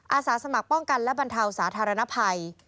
อาสาสมัครป้องกันและบรรเทาสาธารณภัย